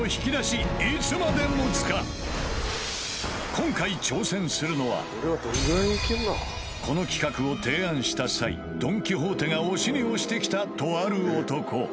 今回この企画を提案した際ドン・キホーテが推しに推してきたとある男